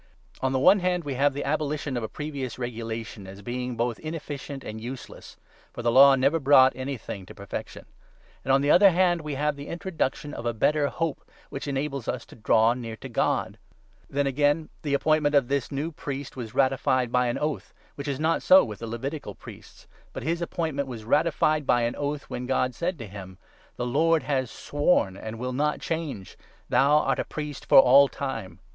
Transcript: On the one hand, we have the abolition of a previous regulation 18 as being both inefficient and useless (for the Law never brought 19 anything to perfection) ; and, on the other hand, we have the introduction of a better hope, which enables us to draw near to God. Then again, the appointment of this new priest 20 was ratified by an oath, which is not so with the Levitical priests, but his appointment was ratified by an oath, when God 21 said to him — 'The Lord has sworn, and will not change, "Thou art a priest for all time."